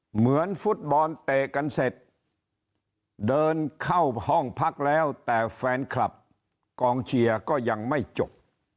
เหมือนฟุตบอลเตะกันเสร็จเดินเข้าห้องพักแล้วแต่แฟนคลับกองเชียร์ก็ยังไม่จบ